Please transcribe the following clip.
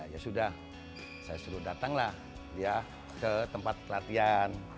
ya sudah saya suruh datanglah dia ke tempat latihan